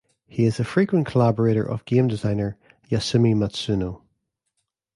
He is a frequent collaborator of game designer Yasumi Matsuno.